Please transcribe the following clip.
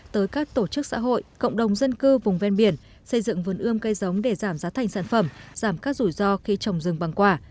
tới các tổ chức xã hội cộng đồng dân cư vùng ven biển xây dựng vườn ươm cây giống để giảm giá thành sản phẩm giảm các rủi ro khi trồng rừng bằng quả